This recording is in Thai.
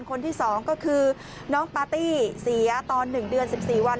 คนที่๒ก็คือน้องปาร์ตี้เสียตอน๑เดือน๑๔วัน